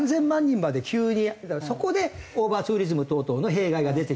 だからそこでオーバーツーリズム等々の弊害が出てきた。